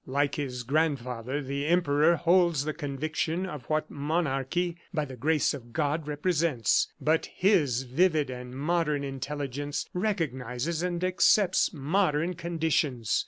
Like his grandfather, the Emperor holds the conviction of what monarchy by the grace of God represents, but his vivid and modern intelligence recognizes and accepts modern conditions.